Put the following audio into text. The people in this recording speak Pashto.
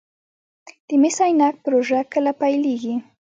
د مس عینک پروژه کله پیلیږي؟